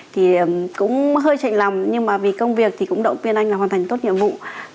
thì cũng hơi chạy lòng nhưng mà vì công việc thì cũng động viên anh là hoàn thành tốt nhiệm vụ